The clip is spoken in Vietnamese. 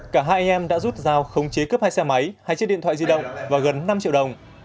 cả hai anh em đã rút dao khống chế cướp hai xe máy hai chiếc điện thoại di động và gần năm triệu đồng